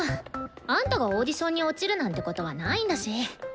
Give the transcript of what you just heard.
あんたがオーディションに落ちるなんてことはないんだし。